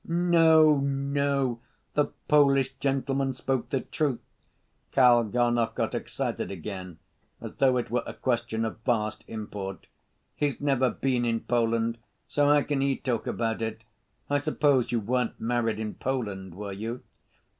"No, no. The Polish gentleman spoke the truth." Kalganov got excited again, as though it were a question of vast import. "He's never been in Poland, so how can he talk about it? I suppose you weren't married in Poland, were you?"